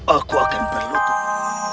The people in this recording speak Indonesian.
aku akan berlutut